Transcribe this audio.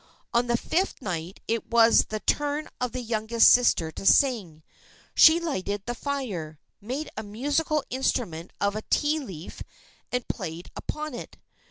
On the fifth night it was the turn of the youngest sister to sing. She lighted the fire, made a musical instrument of a ti leaf and played upon it.